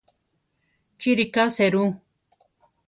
Chi ríka serú?